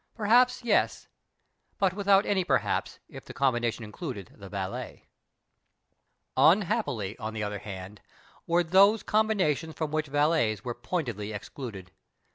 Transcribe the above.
Perhaps, yes ; but without any perhaps, if the combination included the valet. Unhappy, on llu tUher hand, were those com 64 MR. CRICHTON AND MR. LITTIMER binations from which valets were pointedly excluded.